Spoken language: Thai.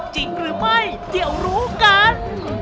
จริงหรือไม่เดี๋ยวรู้กัน